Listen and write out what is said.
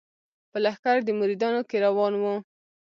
په لښکر د مریدانو کي روان وو